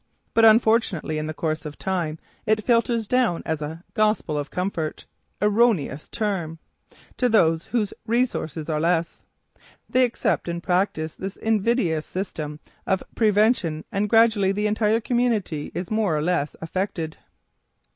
But, unfortunately, in the course of time it filters down as a "gospel of comfort" erroneous term! to those whose resources are less. They accept and practice this invidious system of prevention and gradually the entire community is more or less affected.